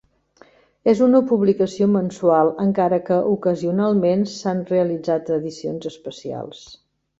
És una publicació mensual, encara que ocasionalment s'han realitzat edicions especials.